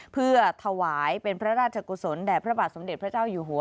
เพื่อถวายเป็นพระราชกุศลแด่พระบาทสมเด็จพระเจ้าอยู่หัว